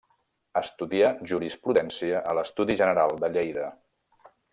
Estudià jurisprudència a l'Estudi General de Lleida.